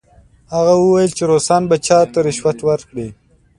هغه وویل چې روسان به چا ته رشوت ورکړي؟